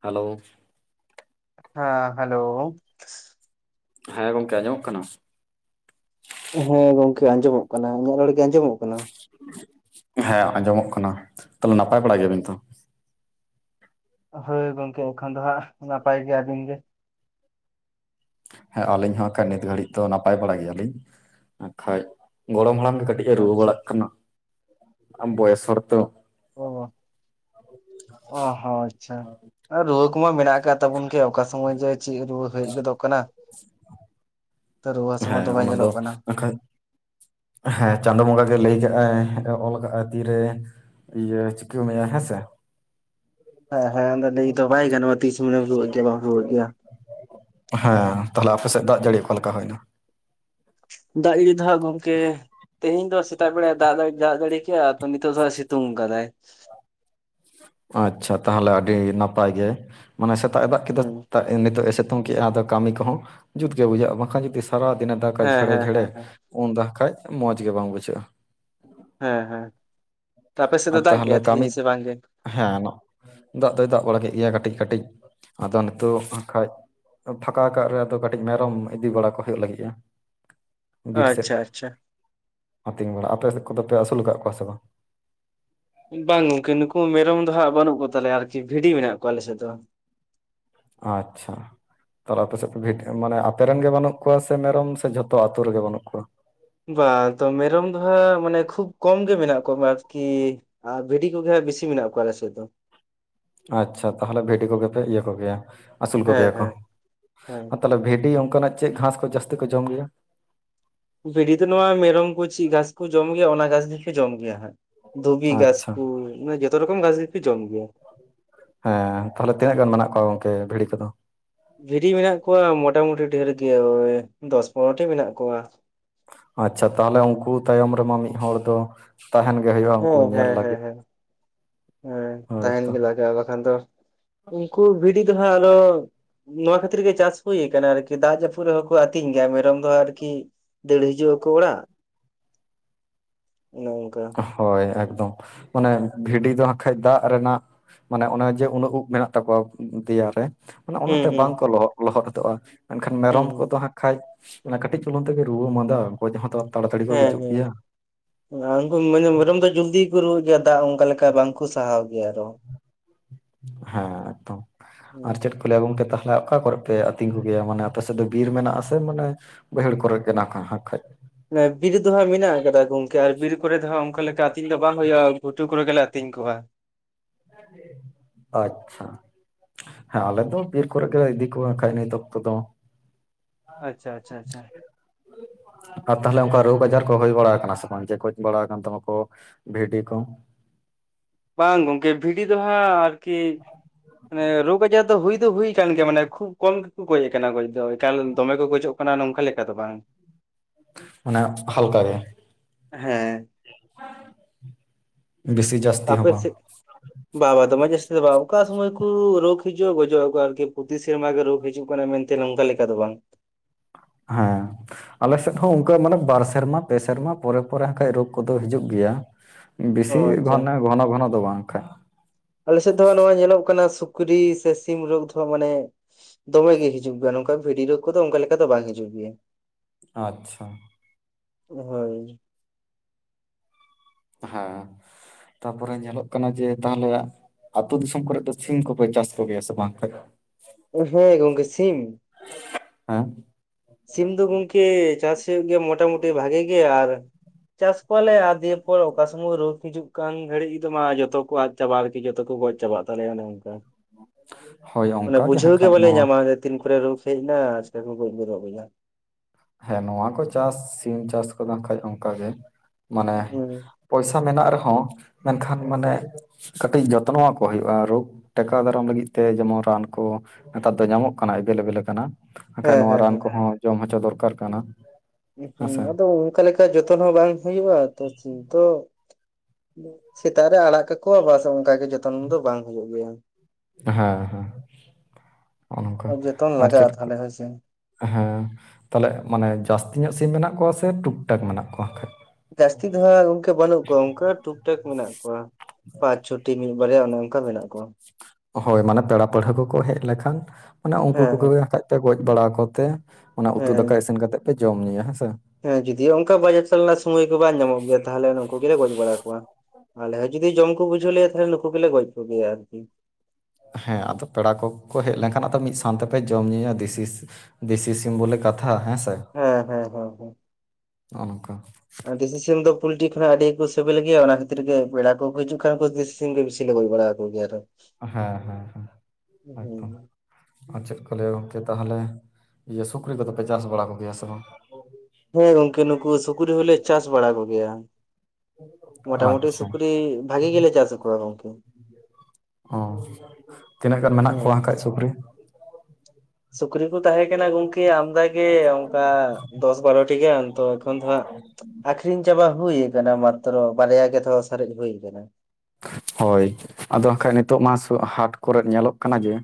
Hello ᱦᱮᱸ hello ᱦᱮᱸ ᱜᱚᱝᱠᱮ ᱟᱸᱡᱚᱢᱚᱜ ᱠᱟᱱᱟ ᱦᱮᱸ ᱜᱚᱝᱠᱮ ᱟᱸᱡᱚᱢᱚᱜ ᱠᱟᱱᱟ ᱤᱧᱟᱹᱜ ᱨᱚᱲ ᱠᱤ ᱟᱸᱡᱚᱢᱚᱜ ᱠᱟᱱᱟ ᱦᱮᱸ ᱟᱸᱡᱚᱢᱚᱜ ᱠᱟᱱᱟ ᱛᱟᱞᱦᱮ ᱱᱟᱯᱟᱭ ᱵᱟᱲᱟ ᱜᱮᱭᱟᱵᱤᱱ ᱛᱚ ᱦᱳᱭ ᱜᱚᱝᱠᱮ ᱮᱠᱷᱚᱱ ᱫᱚ ᱦᱟᱸᱜ ᱱᱟᱯᱟᱭ ᱜᱮᱭᱟᱵᱤᱱ ᱜᱮ ᱦᱮᱸ ᱟᱹᱞᱤᱧ ᱦᱚᱸ ᱵᱟᱠᱷᱟᱡ ᱱᱤᱛ ᱜᱷᱟᱹᱲᱤᱡ ᱫᱚ ᱱᱟᱯᱟᱭ ᱵᱟᱲᱟ ᱜᱮᱭᱟᱞᱤᱧ ᱵᱟᱠᱷᱟᱡ ᱜᱚᱲᱚᱢ ᱦᱟᱲᱟᱢ ᱠᱟᱹᱴᱤᱡ ᱟᱪᱪᱷᱟ ᱨᱩᱭᱟ ᱟᱪᱪᱷᱟ ᱵᱟᱱᱟ ᱠᱟᱱᱟ ᱵᱚᱭᱥ ᱦᱚᱲᱛᱚ ᱚ ᱚ ᱦᱚᱸ ᱟᱪᱪᱷᱟ ᱨᱩᱣᱟᱹ ᱠᱚᱢᱟ ᱢᱮᱱᱟᱜ ᱟᱠᱟᱫᱟ ᱠᱫ ᱛᱟᱵᱚᱱ ᱜᱮ ᱚᱠᱟ ᱥᱚᱢᱚᱭ ᱡᱮ ᱪᱮᱫ ᱨᱩᱣᱟᱹ ᱦᱮᱡ ᱜᱚᱫᱚᱜ ᱠᱟᱱᱟ ᱛᱚ ᱨᱩᱣᱟᱹ ᱦᱟᱥᱩᱚᱭ ᱦᱮᱸ ᱫᱚᱢᱮ ᱚᱱᱟ ᱫᱚ ᱧᱮᱞᱚᱜ ᱠᱟᱱᱟ ᱟᱠᱷᱟᱡ ᱦᱮᱸ ᱪᱟᱸᱫᱳ ᱵᱚᱸᱜᱟ ᱜᱮ ᱞᱟᱹᱭ ᱠᱟᱜᱼ-ᱟᱭ ᱚᱞ ᱠᱟᱜ ᱟᱭ ᱛᱤᱨᱮ ᱤᱭᱟᱹ ᱪᱤᱠᱟᱹᱣ ᱢᱮᱭᱟ ᱦᱮᱸ ᱥᱮ ᱦᱮᱸ ᱦᱮᱸ ᱞᱟᱹᱭ ᱫᱚ ᱵᱟᱭ ᱜᱟᱱᱚᱜ-ᱟ ᱛᱤᱥ ᱢᱤᱱᱮᱢ ᱨᱩᱣᱟᱹᱜ ᱜᱮᱭᱟ ᱵᱟᱢ ᱨᱩᱣᱟᱹᱜ ᱜᱮᱭᱟ ᱦᱮᱸ ᱛᱟᱦᱞᱮ ᱟᱯᱮ ᱥᱮᱫ ᱫᱟᱜ ᱡᱟᱹᱲᱤ ᱚᱠᱟᱞᱮᱠᱟ ᱦᱩᱭᱱᱟ ᱫᱟᱜ ᱡᱟᱲᱤ ᱫᱚ ᱦᱟᱸᱜ ᱜᱚᱝᱠᱮ ᱛᱮᱦᱤᱧ ᱫᱚ ᱥᱮᱛᱟᱜ ᱵᱮᱲᱟ ᱫᱟᱜ ᱫᱚ ᱫᱟᱡᱟᱲᱤ ᱠᱮᱫᱟᱭ ᱱᱤᱛᱚᱜ ᱫᱟ ᱥᱤᱛᱩᱝᱠᱟᱫᱟᱭ ᱟᱪᱪᱷᱟ ᱛᱟᱦᱚᱞᱮ ᱟᱹᱰᱤ ᱱᱟᱯᱟᱭ ᱜᱮ ᱢᱟᱱᱮ ᱥᱮᱛᱟᱜ ᱮ ᱫᱟᱜ ᱠᱮᱫᱟᱜ ᱦᱮᱸ ᱱᱤᱛᱳ ᱥᱮᱛᱟᱜ ᱜᱚᱡᱠᱮ ᱟᱫᱚ ᱠᱟᱹᱢᱤ ᱠᱚᱦᱚᱸ ᱡᱩᱛ ᱜᱮᱮ ᱵᱩᱡᱷᱟᱹᱜ-ᱟ ᱵᱟᱝᱠᱷᱟᱱ ᱡᱩᱫᱤ ᱥᱟᱨᱟᱫᱤᱱᱮ ᱫᱟᱠᱟ ᱦᱮᱸ ᱡᱷᱮᱲᱮ ᱦᱮᱸ ᱡᱷᱮᱲᱮ ᱦᱮᱸ ᱦᱮᱸ ᱩᱱ ᱫ ᱠᱷᱟᱡ ᱢᱚᱡ ᱜᱮ ᱵᱟᱝ ᱵᱩᱡᱷᱟᱹᱜ-ᱟ ᱦᱮᱸ ᱦᱮᱸ ᱟᱯᱮ ᱥᱮᱫ ᱫᱚ ᱟᱨ ᱫᱟᱜ ᱛᱟᱦᱚᱞᱮ ᱠᱮᱭᱟ ᱠᱟᱹᱢᱤ ᱛᱮᱦᱮᱤᱧ ᱥᱮ ᱵᱟᱝᱜᱮ ᱦᱮᱸ ᱫᱟᱜ ᱫᱚᱭ ᱫᱟᱜ ᱵᱟᱲᱟ ᱠᱮᱫ ᱜᱮᱭᱟ ᱠᱟᱹᱴᱤᱡ ᱠᱟᱹᱴᱤᱡ ᱟᱫᱚ ᱱᱤᱛᱚᱜ ᱠᱷᱟᱱᱡ ᱯᱷᱟᱸᱠᱟ ᱠᱟᱜ ᱨᱮ ᱟᱫᱚ ᱠᱟᱹᱴᱤᱡ ᱢᱮᱨᱚᱢ ᱤᱫᱤ ᱵᱟᱲᱟ ᱠᱚ ᱦᱩᱭᱩᱜ ᱞᱟᱹᱜᱤ ᱮ ᱾ ᱵᱤᱨ ᱥᱮᱫ ᱟᱪᱪᱷᱟ ᱟᱪᱪᱷᱟ ᱟᱹᱛᱤᱧ ᱵᱟᱲᱼᱟ ᱟᱯᱮ ᱥᱮᱫ ᱠᱚᱫᱚᱯᱮ ᱟᱹᱥᱩᱞ ᱟᱠᱟᱫ ᱠᱚᱣᱟ ᱥᱮ ᱵᱟᱝ ᱵᱟᱝ ᱜᱚᱝᱠᱮ ᱱᱩᱠᱩ ᱢᱮᱨᱚᱢ ᱫᱚ ᱦᱟᱸᱜ ᱵᱟᱹᱱᱩᱜ ᱠᱚᱛᱟᱞᱮᱭᱟ ᱟᱨᱠᱤ ᱵᱷᱤᱰᱤ ᱢᱮᱱᱟᱜ ᱠᱚᱣᱟ ᱟᱞᱮ ᱥᱮᱫ ᱫᱚ ᱟᱪᱪᱷᱟ ᱛᱟᱦᱚᱞᱮ ᱟᱯᱮᱥᱮᱫ ᱯᱮ ᱵᱷᱤ ᱢᱟᱱᱮ ᱟᱯᱮ ᱨᱮᱱ ᱜᱮ ᱵᱟᱹᱱᱩᱜ ᱠᱚᱣᱟ ᱥᱮ ᱢᱮᱨᱚᱢ ᱥᱮ ᱡᱷᱚᱛᱚ ᱟᱛᱳ ᱨᱮᱜᱮ ᱵᱟᱹᱱᱩᱜ ᱠᱚᱣᱟ ᱵᱟᱝ ᱛᱚ ᱢᱮᱨᱚᱢ ᱫᱚᱦᱟᱸᱟᱜ ᱢᱟᱱᱮ ᱠᱷᱩᱵ ᱠᱚᱢ ᱜᱮ ᱢᱮᱱᱟᱜ ᱠᱚᱣᱟ ᱟᱨᱠᱤ ᱟᱨ ᱵᱷᱤᱰᱤ ᱠᱚᱜᱮ ᱦ ᱵᱮᱥᱤ ᱢᱮᱱᱟᱜ ᱠᱚᱣᱟᱞ ᱥᱮᱫ ᱫᱚ ᱟᱪᱪᱷᱟ ᱛᱟᱦᱚᱞᱮ ᱵᱷᱤᱰᱤ ᱠᱚᱜᱮ ᱯᱮ ᱤᱭᱟᱹ ᱠᱚᱜᱮᱭᱟ ᱟᱹᱥᱩᱞ ᱦᱮᱸ ᱠᱚᱜᱮᱭᱟ ᱠᱚ ᱦᱮᱸ ᱦᱮᱸ ᱟᱨ ᱛᱟᱦᱚᱞᱮ ᱵᱷᱤᱰᱤ ᱚᱱᱠᱟᱱᱟᱜ ᱪᱮᱫ ᱜᱷᱟᱸᱥ ᱠᱚ ᱡᱟᱹᱥᱛᱤ ᱠᱚ ᱡᱚᱢ ᱜᱮᱭᱟ ᱵᱷᱤᱰᱤ ᱫᱚ ᱱᱚᱣᱟ ᱢᱮᱨᱚᱢ ᱠᱚ ᱪᱮᱫ ᱜᱷᱟᱥ ᱠᱚ ᱡᱚᱢ ᱜᱮᱭᱟ ᱚᱱᱟ ᱜᱷᱟᱥ ᱜᱮᱯᱮ ᱡᱚᱢ ᱜᱮᱭᱟ ᱦᱟᱸᱜ ᱫᱷᱩᱵᱤ ᱜᱷᱟᱥ ᱟᱪᱪᱷᱟ ᱠᱚ ᱢᱮ ᱡᱷᱚᱛᱚ ᱨᱚᱠᱚᱢ ᱜᱷᱟᱥ ᱜᱮᱯᱮ ᱡᱚᱢ ᱜᱮᱭᱟ ᱦᱮᱸ ᱛᱟᱦᱚᱞᱮ ᱛᱤᱱᱟᱹᱜ ᱜᱟᱱ ᱢᱮᱱᱟᱜ ᱠᱚᱣᱟ ᱜᱚᱝᱠᱮ ᱵᱷᱤᱲᱤ ᱠᱚᱫᱚ ᱵᱷᱤᱨᱤ ᱢᱮᱱᱟᱜ ᱠᱚᱣᱟ ᱢᱚᱴ ᱢᱩᱩᱴᱤ ᱰᱷᱮᱨ ᱜᱮ ᱳᱭ ᱫᱚᱥ ᱯᱚᱱᱨᱚᱴᱤ ᱢᱮᱱᱟᱜ ᱠᱚᱣᱟ ᱟᱪᱪᱷᱟ ᱛᱟᱦᱞᱮ ᱩᱱᱠᱩ ᱛᱟᱭᱚᱢ ᱨᱮᱢᱟ ᱢᱤᱫ ᱦᱚᱲ ᱫᱚ ᱛᱟᱦᱮᱱ ᱜᱮ ᱦᱩᱭᱩᱜᱼᱟ ᱩᱱᱠᱩ ᱦᱮᱸ ᱧᱮᱞ ᱦᱮᱸ ᱦᱮᱸ ᱞᱟᱹᱜᱤᱫ ᱦᱮᱸ ᱦᱮᱸ ᱛᱟᱦᱮᱱ ᱦᱳᱭᱛᱚ ᱜᱮ ᱞᱟᱜᱟᱜᱼᱟ ᱵᱟᱠᱷᱟᱱ ᱫᱚ ᱩᱱᱠᱩ ᱵᱷᱤᱰᱤ ᱫᱚᱦᱟᱸᱜ ᱟᱫᱚ ᱱᱚᱣᱟ ᱠᱷᱟᱹᱛᱤᱨ ᱜᱮ ᱪᱟᱥ ᱦᱩᱭ ᱟᱠᱟᱱᱟ ᱟᱨᱠᱤ ᱫᱟᱜ ᱡᱟᱹᱯᱩᱫ ᱨᱮᱦᱚᱸ ᱠᱚ ᱟᱹᱛᱤᱧ ᱜᱮᱭᱟ ᱢᱮᱨᱚᱢ ᱫᱚ ᱟᱨᱠᱤ ᱫᱟᱹᱲ ᱦᱤᱡᱩᱜ ᱟᱠᱚ ᱚᱲᱟᱜ ᱚᱱᱮ ᱚᱱᱠᱟ ᱦᱳᱭ ᱮᱠᱫᱚᱢ ᱢᱟᱱᱮ ᱵᱷᱤᱰᱤ ᱫᱚ ᱦᱟᱸᱠᱷᱟᱡ ᱫᱟᱜ ᱨᱮᱱᱟᱜ ᱢᱟᱱᱮ ᱚᱱᱮ ᱡᱮ ᱩᱱᱟᱹᱜ ᱩᱵ ᱢᱮᱱᱟᱜ ᱛᱟᱠᱚᱣᱟ ᱫᱮᱤᱭᱟᱨᱮ ᱚᱱᱮ ᱦᱩᱸ ᱚᱱᱟᱛᱮ ᱦᱩᱸ ᱵᱟᱝᱠᱚ ᱞᱚᱦ ᱞᱚᱦᱚᱫᱚᱜᱼᱟ ᱢᱮᱱᱠᱷᱟᱱ ᱢᱮᱨᱚᱢ ᱦᱩᱸ ᱠᱚᱫᱚ ᱦᱟᱸᱜ ᱠᱷᱟᱱᱡ ᱠᱟᱹᱴᱤᱡ ᱪᱩᱞᱚᱱ ᱛᱮᱜᱮ ᱨᱩᱣᱟᱹ ᱮᱢᱟᱫᱟ ᱜᱠᱚ ᱛ ᱛᱟᱲᱟᱛᱟᱹᱲᱤ ᱠᱚ ᱦᱮᱸ ᱜᱩᱡᱩᱜ ᱜᱮᱭᱟ ᱦᱮᱸ ᱩᱱᱠᱩ ᱢᱟᱱᱮ ᱢᱮᱨᱚᱢ ᱫᱚ ᱡᱚᱞᱫᱤ ᱜᱮᱠᱚ ᱨᱩᱣᱟᱹᱜ ᱜᱮᱭᱟ ᱫᱟᱜ ᱚᱱᱠᱟ ᱞᱮᱠᱟ ᱵᱟᱝᱠᱚ ᱥᱟᱦᱟᱣ ᱜᱮᱭᱟ ᱟᱨᱚ ᱦᱮᱸ ᱛᱚ ᱟᱨ ᱪᱮᱫ ᱦᱩᱸ ᱠᱚ ᱯᱞᱮ ᱜᱚᱢᱠᱮ ᱛᱟᱦᱚᱞᱮ ᱚᱠᱟ ᱠᱚᱨᱮ ᱯᱮ ᱟᱹᱛᱤᱝᱜᱮᱭᱟ ᱢᱟᱱᱮ ᱟᱯᱮ ᱥᱮᱫ ᱫᱚ ᱵᱤᱨ ᱢᱮᱱᱟᱜ ᱟᱥᱮ ᱢᱟᱱᱮ ᱵᱟᱹᱭᱦᱟᱹᱲ ᱠᱚᱨᱮ ᱜᱮᱦᱸᱜ ᱠᱷᱡ ᱵᱤᱨ ᱫᱚ ᱦᱟᱸᱜ ᱢᱮᱱᱟᱜ ᱟᱠᱟᱫᱟ ᱜᱚᱝᱠᱮ ᱟᱨ ᱵᱤᱨ ᱠᱚᱨᱮ ᱫᱚ ᱦᱟᱸᱜ ᱚᱱᱠᱟ ᱞᱮᱠᱟ ᱟᱹᱛᱤᱧ ᱫᱚ ᱵᱟᱝ ᱦᱩᱭᱩᱜᱼᱟ ᱜᱷᱩᱴᱩ ᱠᱚᱨᱮ ᱜᱮᱞᱮ ᱟᱛᱤᱧ ᱠᱚᱣᱟ ᱟᱪᱪᱷᱟ ᱦᱮᱸ ᱟᱞᱮ ᱫᱚ ᱵᱤᱨ ᱠᱚᱨᱮ ᱜᱮᱞᱮ ᱤᱫᱤ ᱠᱚᱣᱟ ᱠᱷᱟᱱᱡ ᱱᱤᱛ ᱚᱠᱛᱚ ᱫᱚ ᱟᱪᱪᱷᱟ ᱟᱪᱪᱷᱟ ᱟᱪᱷᱟ ᱟᱨ ᱛᱟᱦᱚᱞᱮ ᱚᱱᱠᱟ ᱨᱳᱜᱽ ᱟᱡᱟᱨ ᱠᱚ ᱦᱩᱭ ᱵᱟᱲᱟ ᱠᱟᱱᱟ ᱥᱮ ᱵᱟᱝ ᱡᱮ ᱜᱚᱪ ᱵᱟᱲᱟ ᱠᱟᱱᱟᱱ ᱛᱟᱢᱟ ᱠᱚ ᱵᱷᱤᱴᱤ ᱠᱚ ᱵᱟᱝ ᱜᱚᱝᱠᱮ ᱵᱷᱤᱰᱤ ᱫᱚ ᱦᱟᱸᱜ ᱟᱨᱠᱤ ᱢᱟᱱᱮ ᱨᱳᱜᱽ ᱟᱡᱟᱨ ᱫᱚ ᱦᱩᱭ ᱫᱚ ᱦᱩᱭ ᱠᱟᱱ ᱜᱮᱭᱟ ᱢᱟᱱᱮ ᱠᱷᱩᱵ ᱠᱚᱢ ᱜᱮᱠᱚ ᱜᱚᱡ ᱟᱠᱟᱱᱟ ᱜᱚᱡ ᱫᱚ ᱮᱠᱟᱞ ᱫᱚᱢᱮ ᱠᱚ ᱜᱚᱡᱚᱜ ᱠᱟᱱᱟ ᱱᱚᱝᱠᱟ ᱞᱮᱠᱟ ᱫᱚ ᱵᱟᱝ ᱚᱱᱟ ᱦᱟᱞᱠᱟ ᱜᱮ ᱦᱮᱸ ᱵᱮᱥᱤ ᱡᱟᱹᱥᱛᱤ ᱦᱚᱸ ᱛᱟᱯᱮ ᱵᱟᱝ ᱥᱮᱫ ᱵᱟᱵᱟ ᱫᱚᱢᱮ ᱡᱟᱹᱥᱛᱤ ᱫᱚ ᱵᱟ ᱚᱠᱟ ᱥᱚᱢᱚᱭ ᱠᱚ ᱨᱳᱜ ᱦᱤᱡᱩᱜᱼᱟ ᱜᱚᱡᱚᱜ ᱟᱠᱚ ᱟᱨᱠᱤ ᱯᱩᱛᱷᱤ ᱥᱮᱨᱢᱟ ᱜᱮ ᱨᱳᱜ ᱦᱤᱡᱩᱜ ᱠᱟᱱᱟ ᱢᱮᱱᱛᱮ ᱛᱮ ᱱᱚᱝᱠᱟ ᱞᱮᱠᱟ ᱫᱚ ᱵᱟᱝ ᱦᱮᱸ ᱟᱞᱮ ᱥᱮᱫ ᱦᱚᱸ ᱚᱱᱠᱟ ᱢᱟᱱᱮ ᱵᱟᱨ ᱥᱮᱨᱢᱟ ᱯᱮ ᱥᱮᱨᱢᱟ ᱯᱚᱨᱮ ᱯᱚᱨᱮᱠᱟᱱᱡ ᱨᱳᱜᱽ ᱠᱚᱫᱚ ᱦᱤᱡᱩᱜ ᱜᱮᱭᱟ ᱚ ᱵᱮᱥᱤ ᱟᱪᱪᱷᱟ ᱜᱚᱱ ᱜᱷᱚᱱ ᱜᱷᱚᱱ ᱫᱚ ᱵᱟᱝ ᱠᱷᱟᱱ ᱟᱞᱮᱥᱮᱫ ᱫᱚ ᱱᱚᱣᱟ ᱧᱮᱞᱚᱜ ᱠᱟᱱᱟ ᱥᱩᱠᱨᱤ ᱥᱮ ᱥᱤᱢ ᱨᱳᱜᱽ ᱫᱚ ᱢᱟᱱᱮ ᱫᱚᱢᱮ ᱜᱮ ᱦᱤᱡᱩᱜ ᱜᱮᱭᱟ ᱱᱚᱝᱠᱟ ᱵᱷᱤᱰᱤ ᱨᱳᱜᱽ ᱠᱚᱫᱚ ᱚᱱᱠᱟ ᱞᱮᱠᱟ ᱫᱚ ᱵᱟᱝ ᱦᱤᱡᱩᱜ ᱜᱮᱭᱟ ᱟᱪᱪᱷᱟ ᱦᱳᱭ ᱦᱮᱸ ᱛᱟᱯᱚᱨᱮ ᱧᱮᱞᱚᱜ ᱠᱟᱱᱟ ᱡᱮ ᱛᱟᱦᱚᱞᱮ ᱟᱛᱳ ᱫᱤᱥᱚᱢ ᱠᱚᱨᱮ ᱫᱚ ᱥᱤᱢ ᱠᱚᱯᱮ ᱪᱟᱥ ᱠᱚ ᱜᱮᱭᱟ ᱥᱮ ᱵᱟᱝ? ᱦᱮᱸ ᱜᱚᱝᱠᱮ ᱥᱤᱢ ᱾ ᱦᱮᱸ ᱥᱤᱢ ᱫᱚ ᱜᱚᱢᱠᱮ ᱪᱟᱥ ᱦᱳᱭᱳᱜ ᱜᱮᱭᱟ ᱢᱳᱴᱟᱢᱩᱴᱤ ᱵᱷᱟᱜᱮ ᱜᱮ ᱟᱨ ᱪᱟᱥ ᱠᱚᱣᱟᱞᱮ ᱟᱨ ᱫᱤᱭᱮ ᱯᱚᱨ ᱚᱠᱟ ᱥᱚᱢᱚᱭ ᱨᱳᱜᱽ ᱦᱤᱡᱩᱜ ᱠᱟᱱ ᱜᱷᱟᱹᱲᱤᱡ ᱫᱚᱢᱟ ᱡᱚᱛᱚ ᱠᱚ ᱟᱫ ᱪᱟᱵᱟᱜ ᱟᱨᱠᱤ ᱡᱚᱛᱚ ᱠᱚ ᱜᱚᱡ ᱪᱟᱵᱟᱜ ᱛᱟᱞᱮᱭᱟ ᱚᱱᱮ ᱚᱱᱠᱟ ᱦᱳᱭ ᱚᱱᱟ ᱚᱱᱠᱟ ᱵᱩᱡᱷᱟᱹᱣ ᱦᱟᱸᱜ ᱜᱮ ᱠᱷᱟᱡ ᱵᱟᱞᱮ ᱱᱚᱣᱟ ᱧᱟᱢᱟ ᱛᱤᱱ ᱠᱚᱨᱮ ᱨᱳᱥ ᱦᱮᱡ ᱮᱱᱟ ᱟᱪᱠᱟ ᱠᱚ ᱜᱚᱡ ᱜᱚᱫᱚ ᱮᱱᱟ ᱾ ᱦᱮᱸ ᱱᱚᱣᱟ ᱠᱚ ᱪᱟᱥ ᱥᱤᱢ ᱪᱟᱥ ᱠᱚᱫᱚ ᱠᱷᱟᱡ ᱚᱱᱠᱟᱜᱮ ᱢᱟᱱᱮ ᱦᱩᱸ ᱯᱚᱭᱥᱟ ᱢᱮᱱᱟᱜ ᱨᱮᱦᱚᱸ ᱢᱮᱱᱠᱷᱟᱱ ᱢᱟᱱᱮ ᱠᱟᱹᱴᱤᱡ ᱡᱚᱛᱱᱚ ᱟᱠᱚ ᱦᱳᱭᱳᱜᱼᱟ ᱨᱳᱜᱽ ᱴᱮᱠᱟᱣ ᱫᱟᱨᱟᱢ ᱞᱟᱹᱜᱤᱫ ᱛᱮ ᱡᱮᱢᱚᱱ ᱨᱟᱱ ᱠᱚ, ᱱᱮᱛᱟᱨ ᱫᱚ ᱧᱟᱢᱚᱜ ᱠᱟᱱᱟ ᱮᱵᱮᱞ ᱮᱵᱮᱞ ᱟᱠᱟᱱᱟ ᱢᱮᱱᱠᱷᱟᱱ ᱦᱮᱸ ᱱᱚᱣᱟ ᱦᱮᱸ ᱨᱟᱱ ᱦᱮᱸ ᱠᱚᱦᱚᱸ ᱡᱚᱢ ᱦᱚᱪᱚ ᱫᱚᱨᱠᱟᱨ ᱠᱟᱱᱟ ᱾ [unintelligible] ᱟᱫᱚ ᱚᱱᱠᱟ ᱞᱮᱠᱟ ᱡᱚᱛᱚᱱ ᱦᱚᱸ ᱵᱟᱝ ᱦᱩᱭᱩᱜᱼᱟ ᱛᱚ ᱪᱤᱱᱛᱟᱹ ᱫᱚ ᱥᱮᱛᱟᱜ ᱨᱮ ᱟᱲᱟᱜ ᱠᱟᱠᱚᱣᱟ ᱵᱟᱥ ᱚᱝᱠᱟ ᱜᱮ ᱡᱚᱛᱚᱱ ᱫᱚ ᱵᱟᱝ ᱦᱩᱭᱩᱜ ᱜᱮᱭᱟ ᱾ ᱦᱚᱸ ᱦᱚᱸ ᱦᱚᱸ ᱚᱱᱠᱟ ᱡᱚᱛᱚᱱ ᱟᱨ ᱞᱟᱜᱟᱜᱼᱟ ᱪᱮᱫ ᱠᱚ ᱛᱟᱦᱚᱞᱮ ᱦᱳᱭᱥᱮ ᱦᱮᱸ ᱛᱟᱞᱮᱜ ᱢᱟᱱᱮ ᱡᱟᱹᱥᱛᱤ ᱧᱚᱜ ᱥᱤᱢ ᱢᱮᱱᱟᱜ ᱠᱚᱣᱟ ᱥᱮ ᱴᱩᱠ ᱴᱟᱠ ᱢᱮᱱᱟᱜ ᱠᱚᱣᱟ ᱠᱷᱟᱡ ᱡᱟᱹᱥᱛᱤ ᱫᱚᱦᱟᱸᱜ ᱜᱚᱝᱠᱮ ᱵᱟᱹᱱᱩᱜ ᱠᱚᱣᱟ ᱚᱱᱠᱟ ᱴᱩᱠ ᱴᱟᱠ ᱢᱮᱱᱟᱜ ᱠᱚᱣᱟ ᱾ ᱯᱟᱸᱪ ᱪᱷᱚᱴᱤ ᱢᱤᱫ ᱵᱟᱨᱭᱟ ᱚᱱᱮ ᱚᱱᱠᱟ ᱢᱮᱱᱟᱜ ᱠᱚᱣᱟ ᱾ ᱦᱳᱭ ᱢᱟᱱᱮ ᱯᱮᱲᱟ ᱯᱟᱹᱲᱦᱟᱺ ᱠᱚᱠᱚ ᱦᱮᱡ ᱞᱮᱠᱷᱟᱱ ᱢᱟᱱᱮ ᱩᱱᱠᱩ ᱦᱮᱸ ᱠᱚᱜᱮ ᱦᱮᱸ ᱠᱷᱟᱡ ᱛᱚ ᱜᱚᱡ ᱵᱟᱲᱟ ᱠᱚᱛᱮ ᱚᱱᱟ ᱩᱛᱩ ᱦᱮᱸ ᱫᱟᱠᱟ ᱤᱥᱤᱱ ᱠᱟᱛᱮ ᱠᱚ ᱡᱚᱢ ᱧᱩᱭᱟ ᱦᱮᱸᱥᱮ ᱾ ᱦᱮᱸ ᱡᱩᱫᱤ ᱚᱱᱠᱟ ᱵᱟᱡᱟᱨ ᱪᱟᱞᱟᱜ ᱥᱚᱢᱚᱭ ᱠᱚ ᱵᱟᱝ ᱧᱟᱢᱚᱜ ᱜᱮᱭᱟ ᱛᱟᱦᱚᱞᱮ ᱱᱩᱝᱠᱩ ᱜᱮᱞᱮ ᱜᱚᱡ ᱵᱟᱲᱟ ᱠᱚᱣᱟ ᱾ ᱟᱞᱮ ᱦᱚᱸ ᱡᱩᱤ ᱡᱚᱢ ᱠᱚ ᱵᱩᱡᱷᱟᱹᱣ ᱞᱮᱭᱟ ᱛᱟᱦᱚᱞᱮ ᱱᱩᱠᱩ ᱜᱮᱞᱮ ᱜᱚᱡ ᱠᱚ ᱜᱮᱭᱟ ᱟᱨᱠᱤ ᱦᱮᱸ ᱟᱫᱚ ᱯᱮᱲᱟ ᱠᱚᱠᱚ ᱦᱮᱡ ᱞᱮᱱᱠᱷᱟᱱ ᱟᱫᱚ ᱢᱤᱫ ᱥᱟᱶ ᱛᱮᱯᱮ ᱡᱚᱢ ᱧᱩᱭᱟ ᱫᱤᱥᱤᱥ ᱫᱤᱥᱤ ᱥᱤᱢ ᱵᱚᱞᱮ ᱠᱟᱛᱷᱟ ᱦᱮᱸᱥᱮ ᱾ ᱦᱩᱸ ᱦᱩᱸ ᱦᱩᱸ ᱦᱩᱸ ᱱᱚᱜᱼᱚ ᱱᱚᱝᱠᱟ ᱫᱤᱥᱤ ᱥᱤᱢ ᱫᱚ ᱯᱩᱞᱴᱤ ᱠᱷᱚᱱᱟᱜ ᱟᱹᱰᱤ ᱜᱮᱠᱚ ᱥᱤᱵᱤᱞ ᱜᱮᱭᱟ ᱚᱱᱟ ᱠᱷᱟᱹᱛᱤᱨ ᱜᱮ ᱯᱮᱲᱟ ᱠᱚᱠᱚ ᱦᱤᱡᱩᱜ ᱠᱷᱟᱡ ᱠᱚ ᱫᱤᱥ ᱥᱤᱢ ᱜᱮ ᱵᱮᱥᱤ ᱞᱮ ᱜᱚᱡ ᱵᱟᱲᱟ ᱟᱠᱚ ᱜᱮᱭᱟ ᱛᱚ ᱦᱮᱸ ᱦᱮᱸ ᱦᱮᱸ ᱮᱠᱫᱚᱢ ᱟᱨ ᱪᱮᱫ ᱠᱚ ᱞᱟᱹᱭᱟ ᱜᱚᱝᱠᱮ ᱛᱟᱦᱚᱞᱮ ᱤᱭᱟᱹ ᱥᱩᱠᱨᱤ ᱠᱚᱫᱚ ᱯᱮ ᱪᱟᱥ ᱵᱟᱲᱟ ᱠᱚ ᱜᱮᱭᱟ ᱥᱮ ᱵᱟᱝ? ᱦᱳᱭ ᱜᱚᱝᱠᱮ ᱱᱩᱠᱩ ᱥᱩᱠᱨᱤ ᱦᱚᱞᱮ ᱪᱟᱥ ᱵᱟᱲᱟ ᱠᱚ ᱜᱮᱭᱟ ᱾ ᱢᱳᱴᱟᱢᱩᱴᱤ ᱟᱪᱪᱷᱟ ᱥᱩᱠᱨᱤ ᱵᱷᱟᱜᱤ ᱜᱮᱞᱮ ᱪᱟᱥᱮᱜ ᱠᱚᱣᱟ ᱜᱚᱝᱠᱮ ᱾ ᱚ ᱛᱤᱱᱟᱹᱜ ᱜᱟᱱ ᱢᱮᱱᱟᱜ ᱠᱚᱣᱟ ᱦᱟᱸᱜ ᱠᱷᱟᱡ ᱥᱩᱠᱨᱤ? ᱥᱩᱠᱨᱤ ᱠᱚ ᱛᱟᱦᱮᱸ ᱠᱟᱱᱟ ᱜᱚᱝᱠᱮ ᱟᱢᱫᱟ ᱜᱮ ᱚᱱᱠᱟ ᱫᱚᱥ ᱵᱟᱨᱳᱴᱤ ᱜᱟᱱ ᱛᱚ ᱮᱠᱷᱚᱱ ᱫᱚᱦᱟᱸᱜ ᱟᱹᱠᱷᱨᱤᱧ ᱪᱟᱵᱟ ᱦᱩᱭ ᱟᱠᱟᱱᱟ ᱢᱟᱛᱨᱚ ᱵᱟᱨᱭᱟ ᱜᱮ ᱛᱷᱚ ᱥᱟᱨᱮᱡ ᱦᱩᱭ ᱠᱟᱱᱟ ᱾ ᱦᱳᱭ ᱟᱫᱚ ᱦᱟᱸᱜ ᱠᱷᱟᱡ ᱱᱤᱛᱚᱜ ᱢᱟ ᱦᱟᱴ ᱠᱚᱨᱮᱜ ᱧᱮᱞᱚᱜ ᱠᱟᱱᱟ ᱡᱮ,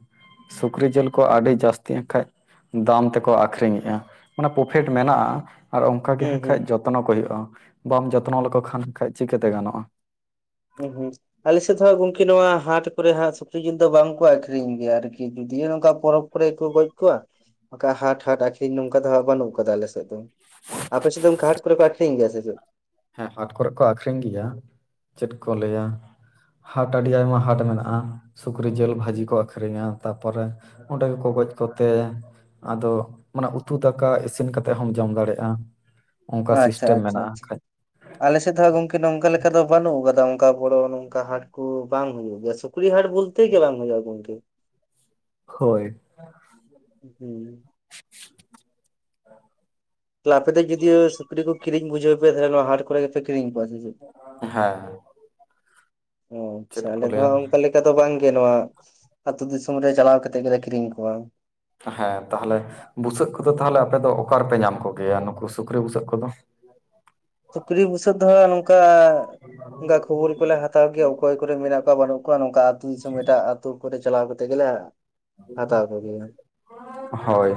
ᱥᱩᱠᱨᱤ ᱡᱤᱞ ᱠᱚ ᱟᱹᱰᱤ ᱡᱟᱹᱥᱛᱤ ᱮᱱ ᱠᱷᱟᱡ ᱫᱟᱢ ᱛᱮᱠᱚ ᱟᱠᱷᱨᱤᱧᱮᱜᱼᱟ ᱢᱟᱱᱮ ᱯᱚᱯᱷᱮᱴ ᱢᱮᱱᱟᱜᱼᱟ ᱾ ᱟᱨ ᱚᱱᱠᱟ ᱜᱮ ᱦᱩᱸ ᱦᱟᱸᱜ ᱦᱩᱸ ᱠᱷᱟᱡ ᱡᱚᱛᱱᱚ ᱠᱚ ᱦᱩᱭᱩᱜᱼᱟ ᱵᱟᱢ ᱡᱚᱛᱱᱚ ᱞᱮᱠᱚ ᱠᱷᱟᱱ ᱠᱷᱟᱡ ᱪᱤᱠᱟᱹᱛᱮ ᱜᱟᱱᱚᱜᱼᱟ ᱾ ᱦᱩᱸ ᱦᱩᱸ ᱟᱞᱮᱥᱮᱫ ᱦᱟᱸᱜ ᱜᱚᱝᱠᱮ ᱱᱚᱣᱟ ᱦᱟᱴ ᱠᱚᱨᱮ ᱦᱟᱸᱜ ᱥᱩᱠᱨᱤ ᱡᱤᱞ ᱫᱚ ᱵᱟᱝᱠᱚ ᱟᱠᱷᱨᱤᱧ ᱜᱮᱭᱟ ᱟᱨᱠᱤ ᱡᱩᱫᱤᱣ ᱱᱚᱝᱠᱟ ᱯᱚᱨᱚᱵᱽ ᱠᱚᱨᱮ ᱠᱚ ᱜᱚᱡ ᱠᱚᱣᱟ ᱵᱟᱸᱠᱷᱟ ᱦᱟᱴ ᱦᱟᱴ ᱟᱠᱷᱨᱤᱧ ᱱᱚᱝᱠᱟ ᱫᱚ ᱦᱟᱸᱜ ᱵᱟᱹᱱᱩᱜ ᱠᱟᱫᱟ ᱟᱞᱮᱥᱮᱫ ᱫᱚ, ᱟᱯᱮ ᱥᱮᱫ ᱫᱚ ᱚᱱᱠᱟ ᱦᱟᱴ ᱠᱚᱨᱮ ᱠᱚ ᱟᱠᱷᱨᱤᱞ ᱜᱮᱭᱟ ᱥᱮ ᱪᱮᱫ? ᱦᱮᱸ ᱦᱟᱴ ᱠᱚᱨᱮᱜ ᱠᱚ ᱟᱠᱷᱨᱤᱧ ᱜᱮᱭᱟ ᱪᱮᱫ ᱠᱚ ᱞᱟᱹᱭᱟ ᱾ ᱦᱟᱴ ᱟᱹᱰᱤ ᱟᱭᱢᱟ ᱦᱟᱴ ᱢᱮᱱᱟᱜᱼᱟ ᱥᱩᱠᱨᱤ ᱡᱤᱞ ᱵᱷᱟᱹᱡᱤ ᱠᱚ ᱟᱹᱠᱷᱨᱤᱧᱟ ᱛᱟᱯᱚᱨᱮ ᱚᱸᱰᱮ ᱜᱮᱠᱚ ᱜᱚᱡ ᱠᱚᱛᱮ ᱟᱫᱚ ᱢᱟᱱᱮ ᱩᱛᱩ ᱫᱟᱠᱟ ᱤᱥᱤᱱ ᱠᱟᱛᱮᱜ ᱦᱚᱢ ᱡᱚᱢ ᱫᱟᱲᱮᱜᱼᱟ ᱾ ᱚᱝᱠᱟ ᱥᱤᱥᱴᱮᱢ ᱢᱮᱱᱟᱜᱼᱟ ᱠᱷᱟᱡ, ᱟᱞᱮᱥᱮᱫ ᱫᱷᱚ ᱟᱸᱜ ᱜᱚᱝᱠᱮ ᱱᱚᱝᱠᱟ ᱞᱮᱠᱟ ᱫᱚ ᱵᱟᱹᱱᱩᱜ ᱟᱠᱟᱫᱟ ᱚᱱᱠᱟ ᱵᱚᱲᱰᱚ ᱚᱱᱮ ᱚᱝᱠᱟ ᱦᱟᱴ ᱠᱚ ᱵᱟᱝ ᱦᱩᱭᱩᱜ ᱜᱮᱭᱟ ᱥᱮ ᱠᱩᱲᱤ ᱦᱟᱴ ᱵᱚᱞᱛᱮ ᱜᱮ ᱵᱟᱝ ᱦᱩᱭᱼᱟ ᱜᱚᱝᱠᱮ ᱦᱳᱭ ᱦᱮᱸ ᱛᱟᱦᱮ ᱟᱯᱮ ᱫᱚ ᱡᱚᱫᱤ ᱥᱩᱠᱨᱤ ᱠᱚ ᱠᱤᱨᱤᱧ ᱵᱩᱡᱷᱟᱹᱣ ᱯᱮ ᱛᱟᱦᱞᱮ ᱱᱚᱣᱟ ᱦᱟᱴ ᱠᱚᱨᱮ ᱜᱮᱯᱮ ᱠᱤᱨᱤᱧ ᱠᱚᱣᱟ ᱥᱮ ᱪᱮᱫ? ᱦᱮᱸ ᱚ ᱪᱮᱫ ᱟᱪᱷᱟ ᱠᱚ ᱟᱞᱮ ᱫᱚ ᱞᱟᱹᱭᱟ ᱦᱟᱸᱜ ᱚᱱᱠᱟ ᱞᱮᱠᱟ ᱪᱮᱠᱟ ᱫᱚ ᱵᱟᱝᱜᱮ ᱱᱚᱣᱟ ᱟ ᱟᱛᱩ ᱫᱤᱥᱚᱢ ᱨᱮ ᱪᱟᱞᱟᱣ ᱠᱟᱛᱫ ᱜᱮᱞᱮ ᱠᱤᱨᱤᱧ ᱠᱚᱣᱟ᱾ ᱦᱮᱸ ᱛᱟᱦᱚᱞᱮ ᱵᱩᱥᱟᱹᱜ ᱠᱚᱫᱚ ᱛᱟᱦᱚᱞᱮ ᱟᱯᱮ ᱫᱚ ᱚᱠᱟ ᱨᱮᱯᱮ ᱧᱟᱢ ᱠᱚᱜᱮᱭᱟ ᱱᱩᱠᱩ ᱥᱩᱠᱨᱤ ᱵᱩᱥᱟᱹᱜ ᱠᱚᱫᱚ᱾ ᱥᱩᱠᱨᱤ ᱵᱩᱥᱟᱹᱫ ᱱᱚᱝᱠᱟ ᱠᱷᱩᱚᱵᱩᱞ ᱠᱚᱞᱮ ᱦᱟᱛᱟᱣ ᱜᱮᱭᱟ ᱚᱠᱚᱭ ᱠᱚᱨᱮ ᱢᱮᱱᱟᱜ ᱠᱚᱣᱟ ᱵᱟᱹᱱᱩᱜ ᱠᱚᱣᱟ ᱱᱚᱝᱠᱟ ᱟᱹᱛᱩ ᱫᱤᱥᱚᱢ ᱮᱴᱟᱜ ᱟᱹᱛᱩ ᱠᱚᱨᱮ ᱪᱟᱞᱟᱣ ᱠᱟᱛᱮ ᱜᱮᱞᱮ ᱦᱟᱛᱟᱣ ᱠᱚᱜᱮᱭᱟ ᱦᱳᱭ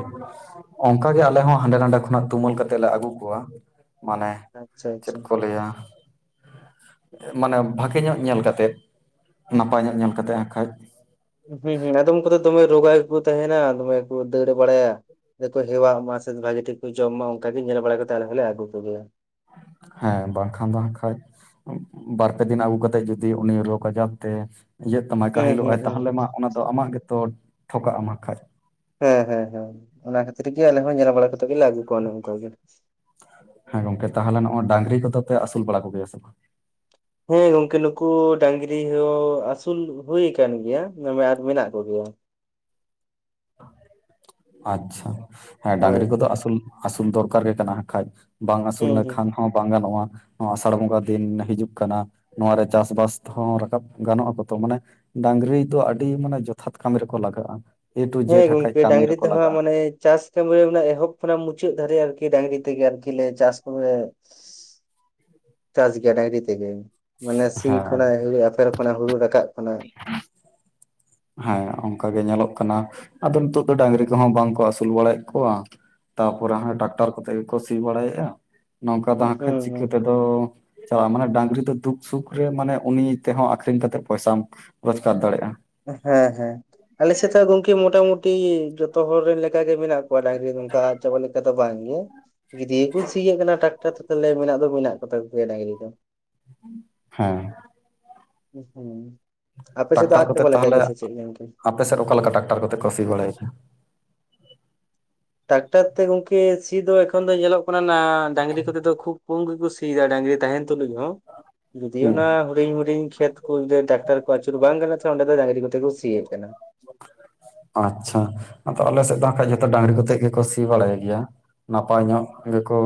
ᱚᱱᱠᱟᱜᱮ ᱟᱞᱮ ᱦᱚᱸ ᱦᱟᱸᱰᱮ ᱱᱟᱰᱮ ᱠᱷᱚᱱᱟᱜ ᱛᱩᱢᱟᱹᱞ ᱠᱟᱛᱮᱜ ᱞᱮ ᱟᱹᱜᱩ ᱠᱚᱣᱟ ᱢᱟᱱᱮ ᱟᱪᱪᱷᱟ ᱪᱮᱫ ᱟᱪᱪᱷᱟ ᱠᱚ ᱞᱟᱹᱭᱟ ᱢᱟᱱᱮ ᱵᱷᱟᱜᱮ ᱧᱚᱜ ᱧᱮᱞ ᱠᱟᱛᱮ ᱱᱟᱯᱟᱭ ᱧᱚᱜ ᱧᱮᱞ ᱠᱟᱛᱮ ᱦᱟᱸ ᱠᱷᱟᱡ ᱦᱩᱸ ᱦᱩᱸ ᱟᱫᱚᱢ ᱠᱚᱫᱚ ᱫᱚᱢᱮ ᱨᱚᱜᱟ ᱜᱮᱠᱚ ᱛᱟᱦᱮᱱᱟ ᱫᱚᱢᱮ ᱠᱚ ᱫᱟᱹᱲ ᱵᱟᱲᱟᱭᱟ ᱟᱠᱚ ᱦᱮᱣᱟ ᱢᱟ ᱥᱮ ᱵᱷᱟᱜᱤ ᱴᱷᱤᱠ ᱠᱚ ᱡᱚᱢ ᱢᱟ ᱚᱱᱠᱟ ᱜᱮ ᱧᱮᱞ ᱵᱟᱲᱟ ᱠᱟᱛᱮᱜ ᱞᱮ ᱟᱹᱜᱩ ᱠᱚᱜᱮᱭᱟ ᱦᱮᱸ ᱵᱟᱝᱠᱷᱟᱱ ᱫᱚᱦᱤ ᱠᱷᱟᱡ ᱵᱟᱨᱯᱮ ᱫᱤᱱ ᱟᱹᱜᱩ ᱠᱟᱛᱮᱜ ᱡᱚᱫᱤ ᱩᱱᱤ ᱨᱳᱜᱽ ᱟᱡᱟᱨ ᱛᱮ ᱤᱭᱟᱹᱜ ᱛᱟᱢᱟ ᱠᱟᱹ ᱦᱩᱸ ᱦᱤᱞᱳᱜ ᱦᱩᱸ ᱟᱭ ᱦᱩᱸ ᱛᱟᱦᱚᱞᱮ ᱦᱩᱸ ᱢᱟ ᱚᱱᱟ ᱫᱚ ᱟᱢᱟᱜ ᱜᱮᱛᱚ ᱴᱷᱚᱠᱟᱜ ᱟᱢᱟ ᱠᱷᱟᱱᱡ ᱦᱮᱸ ᱦᱮᱸ ᱦᱮᱸ ᱚᱱᱟ ᱠᱷᱟᱹᱛᱤᱨ ᱜᱮ ᱟᱞᱮ ᱦᱚᱸ ᱧᱮᱞ ᱵᱟᱲᱟ ᱠᱟᱛᱮ ᱜᱮ ᱞᱟ ᱟᱜᱩ ᱠᱚᱣᱟ ᱚᱱᱮ ᱚᱱᱠᱟ ᱜᱮ ᱦᱮᱸ ᱜᱚᱝᱠᱮ ᱛᱟᱦᱚᱞᱮ ᱱᱚᱜᱚᱭ ᱰᱟᱝᱨᱤ ᱠᱚᱫᱚ ᱯᱮ ᱟᱹᱥᱩᱞ ᱵᱟᱲᱟ ᱠᱚᱜᱮᱭᱟ ᱥᱮ ᱵᱟᱝ? ᱦᱮᱸ ᱜᱚᱝᱠᱮ ᱱᱩᱠᱩ ᱰᱟᱝᱨᱤ ᱦᱚᱸ ᱟᱹᱥᱩᱞ ᱦᱩᱭ ᱟᱠᱟᱱ ᱜᱮᱭᱟᱮ ᱟᱨ ᱢᱮᱱᱟᱜ ᱠᱚᱜᱮᱭᱟ᱾ ᱟᱪᱷᱟ ᱦᱮᱸ ᱦᱳᱭ ᱰᱟᱝᱨᱤ ᱠᱚᱫᱚᱩᱞ ᱟᱹᱥᱩᱞ ᱫᱚᱨᱠᱟᱨ ᱜᱮ ᱠᱟᱱᱟᱠᱷᱟᱡᱽ᱾ ᱵᱟᱝ ᱟᱹᱥᱩᱞ ᱦᱩᱸ ᱦᱩᱸ ᱞᱮᱠᱷᱟᱱ ᱦᱚᱸ ᱵᱟᱝ ᱜᱟᱱᱚᱜᱼᱟ ᱱᱚᱣᱟ ᱟᱥᱟᱲ ᱵᱚᱸᱜᱟ ᱫᱤᱱ ᱦᱤᱡᱩᱜ ᱠᱟᱱᱟ ᱱᱚᱣᱟ ᱨᱮ ᱪᱟᱥᱵᱟᱥ ᱦᱚᱸ ᱨᱟᱠᱟᱵ ᱜᱟᱱᱚᱜ ᱟᱠᱚ ᱛᱚ ᱢᱟᱱᱮ᱾ ᱰᱟᱝᱨᱤ ᱫᱚ ᱟᱹᱰᱤ ᱢᱟᱱᱮ ᱡᱚᱛᱷᱟᱛ ᱠᱟᱹᱢᱤ ᱨᱮᱠᱚ ᱞᱟᱜᱟᱜᱼᱟ ᱮ ᱴᱩ ᱦᱮᱸ ᱡᱮᱴ ᱦᱟᱸᱜ ᱠᱷᱟᱡ ᱜᱚᱝᱠᱮ ᱠᱟᱹᱢᱤ ᱰᱟᱝᱨᱤ ᱨᱮᱠᱚ ᱛᱮᱦᱚᱸ ᱞᱟᱜᱟᱜᱼᱟ ᱢᱟᱱᱮ ᱪᱟᱥ ᱮ ᱮᱦᱚᱵ ᱠᱷᱚᱱᱟᱜ ᱢᱩᱪᱟᱹᱫ ᱫᱟᱲᱤᱡᱼᱟ ᱟᱨᱠᱤ ᱰᱟᱝᱨᱤ ᱛᱮᱜᱮ ᱟᱨᱠᱤ ᱪᱟᱥ ᱠᱚ ᱪᱟᱥ ᱜᱮᱭᱟ ᱰᱟᱝᱨᱤ ᱛᱮᱜᱮ ᱢᱟᱱᱮ ᱥᱤ ᱦᱮᱸ ᱠᱷᱚᱭ ᱟᱯᱷᱮᱨ ᱠᱷᱚᱭ ᱦᱩᱲᱩ ᱨᱟᱠᱟᱵ ᱠᱟᱱᱟᱚᱭ ᱦᱮᱸ ᱚᱱᱠᱟᱟᱜ ᱜᱮ ᱧᱮᱞᱚᱜ ᱠᱟᱱᱟ ᱟᱫᱚ ᱱᱤᱛᱚᱜ ᱫᱚ ᱰᱟᱝᱨᱤ ᱠᱚᱦᱚᱸ ᱵᱟᱝᱠᱚ ᱟᱹᱥᱩᱞ ᱵᱟᱲᱟᱭᱮᱫ ᱠᱚᱣᱟ ᱛᱟᱯᱚᱨᱮ ᱦᱟᱱᱮ ᱰᱟᱠᱛᱟᱨ ᱠᱚᱛᱮ ᱜᱮᱠᱚ ᱥᱤ ᱵᱟᱲᱟᱭᱮᱫᱼᱟ ᱱᱚᱝᱠᱟ ᱫᱚ ᱦᱩᱸ ᱦᱟᱸᱠᱷᱟᱡ ᱪᱤᱠᱟᱹ ᱦᱩᱸ ᱛᱮᱫᱚ ᱪᱟᱞᱟᱜᱼᱟ ᱢᱟᱱᱮ ᱰᱟᱝᱨᱤ ᱫᱚ ᱫᱩᱠ ᱥᱩᱠ ᱨᱮ ᱢᱟᱱᱮ ᱩᱱᱤ ᱛᱮᱦᱚᱸ ᱟᱠᱷᱨᱤᱧ ᱠᱟᱛᱮᱜ ᱯᱚᱭᱥᱟᱢ ᱨᱚᱡᱽᱜᱟᱨ ᱫᱟᱲᱮᱭᱟᱜᱼᱟ ᱦᱮᱸ ᱦᱮᱸ ᱟᱞᱮᱥᱮᱫ ᱜᱚᱝᱠᱮ ᱢᱚᱴᱟ ᱢᱩᱩᱴᱤ ᱡᱚᱛᱚ ᱦᱚᱲ ᱨᱮᱱ ᱞᱮᱠᱟᱜ ᱜᱮ ᱢᱮᱱᱟᱜ ᱠᱚᱣᱟ ᱰᱟᱝᱨᱤ ᱱᱚᱝᱠᱟ ᱪᱟᱯᱚ ᱞᱮ ᱠᱟ ᱛᱷ ᱵᱟᱝ ᱜᱮ᱾ ᱜᱤᱫᱽᱤᱭᱮ ᱠᱚ ᱥᱤᱭᱮᱫ ᱠᱟᱱᱟ ᱴᱨᱟᱠᱴᱟᱨ ᱛᱮ ᱛᱟᱦᱚᱞᱮ ᱢᱮᱱᱟᱜ ᱫᱚ ᱢᱮᱱᱟᱜ ᱠᱚᱛᱟ ᱠᱚᱮ ᱰᱟᱝᱨᱤ ᱫᱚ ᱦᱮᱸ ᱦᱩᱸ ᱟᱯᱮ ᱥᱮᱫ ᱛᱚ ᱴᱨᱟᱠᱴᱟᱨ ᱟᱹᱫ ᱠᱚᱛᱮ ᱪᱟᱵᱟ ᱞᱮᱠᱟ ᱛᱟᱦᱚᱞᱮ ᱜᱮᱥᱮ ᱪᱮᱫᱽ ᱜᱚᱝᱠᱮ? ᱟᱯᱮ ᱥᱮᱫ ᱚᱠᱟ ᱞᱮᱠᱟ ᱴᱮᱠᱴᱟᱨ ᱠᱚᱛᱮ ᱠᱚ ᱥᱤ ᱵᱟᱲᱟᱭᱟ? ᱴᱨᱟᱠᱴᱟᱨ ᱛᱮ ᱜᱚᱝᱠᱮ ᱥᱤ ᱫᱚᱚ ᱮᱠᱷᱚᱱ ᱫᱚ ᱧᱮᱞᱚᱜ ᱠᱟᱱᱟ ᱰᱟᱝᱨᱤ ᱠᱚᱛᱮ ᱫᱚ ᱠᱷᱩᱵ ᱠᱚᱢ ᱜᱮᱠᱚ ᱥᱤ ᱥᱮᱫᱟᱜ ᱰᱟᱝᱨᱤ ᱛᱟᱦᱮᱱ ᱛᱩᱞᱩᱡ ᱦᱚᱸ ᱡᱩᱫᱤ ᱦᱩᱸ ᱚᱱᱟ ᱦᱩᱰᱤᱧ ᱦᱩᱰᱤᱧ ᱠᱷᱮᱛ ᱤᱥᱠᱩ ᱡᱚᱫᱤ ᱰᱟᱠᱛᱟᱨ ᱠᱚ ᱟᱹᱪᱩᱨ ᱵᱟᱝ ᱠᱟᱱᱟ ᱚᱸᱰᱮ ᱫᱚ ᱰᱟᱝᱨᱤ ᱠᱟᱛᱮ ᱠᱚ ᱥᱤᱭ ᱠᱟᱱᱟ ᱟᱪᱷᱟ ᱟᱫᱚ ᱟᱞᱮᱥᱮᱫ ᱫᱚ ᱠᱷᱟᱡ ᱰᱟᱝᱨᱤ ᱠᱚᱛᱮᱫ ᱜᱮᱠᱚ ᱥᱤ ᱵᱟᱲᱟᱭ ᱜᱮᱭᱟ ᱱᱟᱯᱟᱭ ᱧᱚᱜ ᱜᱮᱠᱚ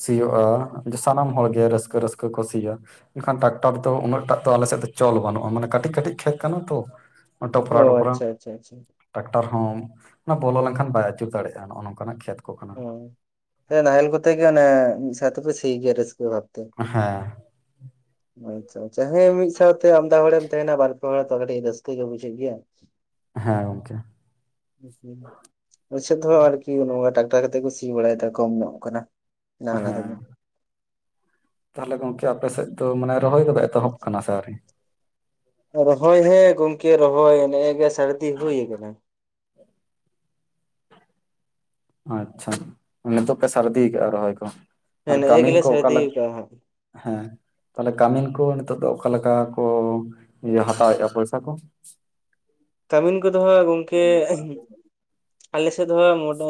ᱥᱤᱭᱳᱜᱼᱟ ᱥᱟᱱᱟᱢ ᱦᱚᱲᱜᱮ ᱨᱟᱹᱥᱠᱟᱹ ᱨᱟᱹᱥᱠᱟᱹ ᱠᱚ ᱥᱤᱭᱟ ᱢᱮᱱᱠᱷᱟᱱ ᱴᱨᱟᱠᱴᱟᱨ ᱫᱚ ᱩᱱᱟᱹᱜ ᱴᱟᱜ ᱫᱚ ᱟᱞᱮ ᱥᱮᱫ ᱫᱚ ᱪᱚᱞ ᱵᱟᱹᱱᱩᱜᱼᱟ ᱢᱟᱱᱮ ᱠᱟᱹᱴᱤᱡ ᱠᱟᱹᱴᱤᱡ ᱠᱷᱮᱛ ᱠᱟᱱᱟ ᱛᱚ ᱚ ᱟᱪᱷᱟ ᱟᱪᱷᱟ ᱟᱪᱷᱟ ᱴᱨᱟᱠᱴᱟᱨ ᱦᱚᱸ ᱚᱱᱟ ᱵᱚᱞᱚ ᱞᱮᱱᱠᱷᱟᱱ ᱵᱟᱭ ᱟᱹᱪᱩᱨ ᱫᱟᱲᱮᱭᱟᱜᱼᱟ ᱱᱚᱜᱼᱚ ᱱᱚᱝᱠᱟᱱᱟᱜ ᱠᱷᱮᱛ ᱠᱚ ᱠᱟᱱᱟ ᱚ ᱱᱟᱦᱮᱞ ᱠᱚᱛᱮ ᱜᱮ ᱚᱱᱮ ᱢᱤᱫ ᱥᱮᱭ ᱛᱮ ᱠᱚ ᱥᱤᱜᱮᱭᱟᱹ ᱨᱥᱠᱟᱹᱷᱟ ᱵᱷᱟᱵ ᱦᱮᱸ ᱟᱪᱪᱷᱟ ᱟᱪᱪᱷᱟ ᱦᱮᱸ ᱢᱤᱫ ᱥᱟᱶᱛᱮ ᱟᱢᱫᱟ ᱦᱚᱲᱮᱢ ᱛᱟᱦᱮᱱᱟ ᱵᱟᱨ ᱯᱮ ᱦᱚᱲ ᱛᱚ ᱠᱟᱹᱴᱤᱡ ᱨᱟᱥᱠᱟ ᱜᱮ ᱵᱩᱡᱷᱟᱹᱜ ᱜᱮᱭᱟ ᱦᱮᱸ ᱜᱚᱢᱠᱮ ᱦᱩᱸ ᱦᱩᱸ ᱳᱭ ᱥᱟ. ᱛ ᱦᱚᱸ ᱟᱨ ᱠᱤ ᱱᱚᱶᱟ ᱴᱟᱠ ᱜᱚᱴᱟ ᱠᱟᱛᱮ ᱠᱚ ᱥᱤ ᱵᱟᱲᱟᱭᱮᱫᱟ ᱠᱚᱢ ᱧᱚᱜ ᱠᱟᱱᱟ ᱰᱟᱝᱨᱟ ᱦᱮᱸ ᱜᱟᱹᱰᱤ ᱛᱟᱦᱚᱞᱮ ᱜᱚᱢᱠᱮ ᱟᱯᱮᱮᱥᱮᱫ ᱫᱚ ᱢᱟᱱᱮ ᱨᱚᱦᱚᱭ ᱠᱚᱫᱚ ᱮᱛᱚᱦᱚᱵ ᱟᱠᱟᱱᱟ ᱥᱮ ᱟᱭᱨᱤ ᱨᱚᱦᱚᱭ ᱦᱮᱸ ᱜᱚᱢᱠᱮ ᱨᱚᱦᱚᱭ ᱱᱮᱜᱼᱮ ᱜᱮ ᱥᱟᱹᱨᱫᱤ ᱦᱩᱭ ᱠᱟᱱᱟ ᱟᱪᱪᱷᱟ ᱱᱤᱛᱚᱜ ᱯᱮ ᱥᱟᱨᱫᱤ ᱠᱟᱜᱼᱟ ᱨᱚᱦᱚᱭ ᱠᱚ ᱟᱨ ᱦᱮᱸ ᱱᱮᱜᱼᱮ ᱠᱟᱹᱢᱤᱱ ᱜᱮᱞᱮ ᱠᱚ ᱚᱠᱟ ᱥᱟᱹᱨᱫᱤ ᱞᱮᱠᱟ ᱠᱟᱜᱼᱟ ᱦᱟᱸᱜ ᱦᱮᱸ ᱛᱟᱦᱞᱮ ᱠᱟᱹᱢᱤᱱ ᱠᱚ ᱱᱤᱛᱚᱜ ᱫᱚ ᱚᱠᱟ ᱞᱮᱠᱟ ᱠᱚ ᱦᱟᱛᱟᱣᱮᱫᱼᱟ ᱯᱚᱭᱥᱟ ᱠᱚ [unintelligible] ᱠᱟᱹᱢᱤᱱ ᱠᱚᱫᱚ ᱦᱟᱸᱜ ᱜᱚᱢᱠᱮ ᱟᱞᱮ ᱥᱮᱫ ᱫᱚ ᱢᱚᱴ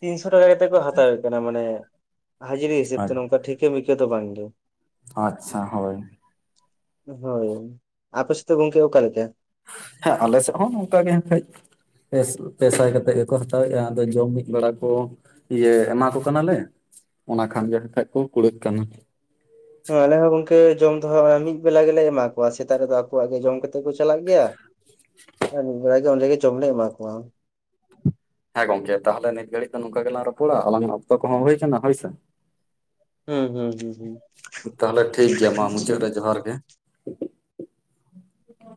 ᱛᱤᱱᱥᱚ ᱴᱟᱠᱟ ᱠᱟᱛᱮᱫ ᱠᱚ ᱦᱟᱛᱟᱣᱮᱫ ᱠᱟᱱᱟ ᱢᱟᱱᱮ ᱦᱟᱹᱡᱨᱤ ᱦᱤᱥᱟᱹᱵ ᱛᱮ ᱱᱚᱝᱠᱟ ᱴᱷᱤᱠᱟᱹ ᱢᱤᱠᱟᱹ ᱫᱚ ᱵᱟᱝᱜᱮ ᱟᱪᱪᱷᱟ ᱦᱚᱭ ᱦᱳᱭ ᱟᱯᱮ ᱥᱮᱫ ᱫᱚ ᱜᱚᱢᱠᱮ ᱚᱠᱟ ᱞᱮᱠᱟ ᱦᱮᱸ ᱟᱞᱮ ᱥᱮᱫ ᱦᱚᱸ ᱱᱚᱝᱠᱟ ᱜᱮ ᱦᱮᱠᱷᱟ ᱯᱮᱥᱟ ᱠᱟᱛᱮᱫ ᱜᱮᱠᱚ ᱦᱟᱛᱟᱣᱮᱫᱼᱟ ᱟᱫᱚ ᱡᱚᱢ ᱢᱤᱫ ᱵᱟᱲᱟ ᱠᱚ ᱤᱭᱟᱹ ᱮᱢᱟ ᱠᱚ ᱠᱟᱱᱟᱞᱮ ᱚᱱᱟ ᱠᱷᱟᱱ ᱜᱮ ᱠᱷᱟᱡ ᱠᱚ ᱠᱩᱲᱟᱹᱫ ᱠᱟᱱᱟ ᱦᱮᱸ ᱟᱞᱮ ᱦᱚᱸ ᱜᱚᱢᱠᱮ ᱡᱚᱢ ᱫᱚ ᱦᱟᱸᱜ ᱢᱤᱫ ᱵᱮᱞᱟ ᱜᱮᱞᱮ ᱮᱢᱟ ᱠᱚᱣᱟ ᱥᱮᱛᱟᱜ ᱨᱮᱫᱚ ᱟᱠᱚᱣᱟᱜ ᱜᱮ ᱡᱚᱢ ᱠᱟᱛᱮᱫ ᱠᱚ ᱪᱟᱞᱟᱜ ᱜᱮᱭᱟ [unintelligible] ᱢᱤᱫ ᱵᱮᱲᱟ ᱜᱮ ᱳᱱᱰᱮ ᱡᱚᱢ ᱞᱮ ᱮᱢᱟ ᱠᱚᱣᱟ ᱦᱮᱸ ᱜᱚᱝᱠᱮ ᱛᱟᱦᱚᱞᱮ ᱱᱤᱛ ᱜᱷᱟᱹᱲᱤ ᱫᱚ ᱱᱚᱝᱠᱟ ᱜᱮᱞᱟᱝ ᱨᱚᱯᱚᱲᱟ ᱟᱞᱟᱝ ᱚᱠᱛᱚ ᱠᱚᱦᱚᱸ ᱦᱩᱭ ᱠᱟᱱᱟ ᱦᱳᱭᱥᱮ ᱦᱩᱸ ᱦᱩᱸ ᱦᱩᱸ ᱛᱟᱦᱞᱮ ᱴᱷᱤᱠ ᱜᱮᱭᱟ ᱢᱟ ᱦᱩᱸ ᱢᱩᱪᱟᱹᱫ ᱨᱮ ᱡᱚᱦᱟᱨ ᱜᱮ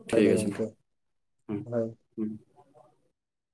ᱴᱷᱤᱠ ᱟᱷᱮᱦᱮᱸ ᱦᱳᱭ